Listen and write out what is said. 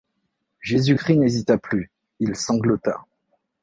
Jésus-Christ n’hésita plus, il sanglota.